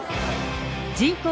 人口